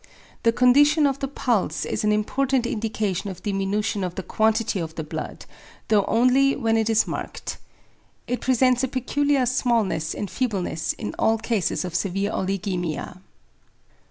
The condition of the pulse is an important indication of diminution of the quantity of the blood, though only when it is marked. It presents a peculiar smallness and feebleness in all cases of severe oligæmia.